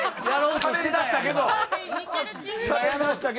しゃべりだしたけどや。